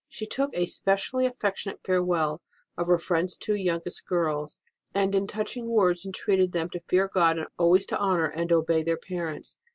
She took a specially affectionate farewell of her friends two youngest girls, and in touching words entreated them to fear God and always honour and obey their parents.